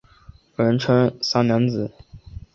人称三娘子。